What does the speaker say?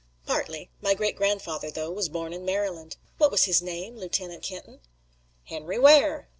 "Partly. My great grandfather, though, was born in Maryland." "What was his name, Lieutenant Kenton?" "Henry Ware!"